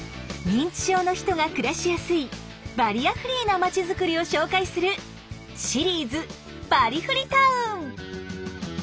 認知症の人が暮らしやすいバリアフリーな町づくりを紹介するシリーズ「バリフリ・タウン」。